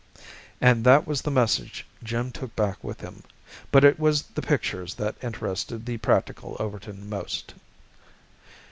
And that was the message Jim took back with him, but it was the pictures that interested the practical Overton most.